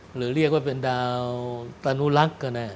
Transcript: หรือเรียกว่าเป็นดาวตานุลักษณ์